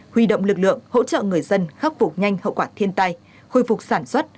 huy động lực lượng hỗ trợ người dân khắc phục nhanh hậu quả thiên tai khôi phục sản xuất